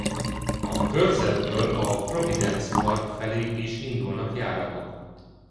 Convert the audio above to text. A körzetből a Providence Park felé is indulnak járatok.